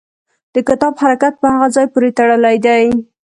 د کتاب حرکت په هغه ځای پورې تړلی دی.